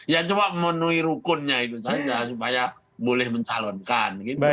ya coba memenuhi rukunnya itu saja supaya boleh mencalonkan